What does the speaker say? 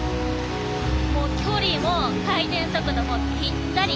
距離も、回転速度もぴったり。